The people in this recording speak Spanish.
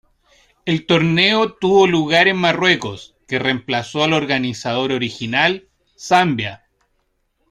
El torneo tuvo lugar en Marruecos, que remplazó al organizador original, Zambia.